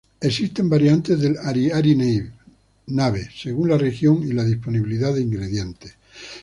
Existen variantes del "harihari-nabe" según la región y la disponibilidad de ingredientes.